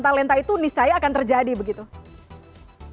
talenta itu niscaya akan terjadi begitu